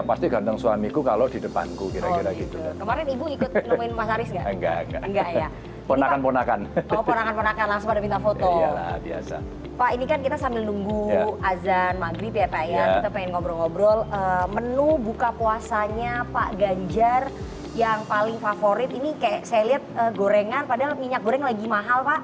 pak ganjar yang paling favorit ini kayak saya lihat gorengan padahal minyak goreng lagi mahal pak